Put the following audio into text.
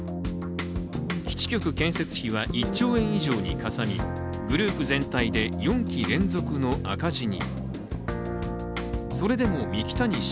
基地局建設費は１兆円以上にかさみグループ全体で４期連続の赤字に。